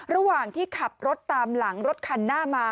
ระหว่างที่ขับรถตามหลังรถคันหน้ามา